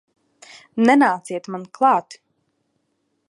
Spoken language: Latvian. Nenāciet man klāt!